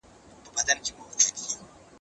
زه له سهاره لوبه کوم،